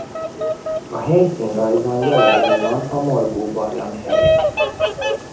A helyszínrajzon jelölve van a Morgó-barlang helye.